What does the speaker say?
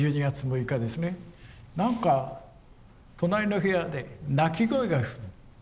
何か隣の部屋で泣き声がする。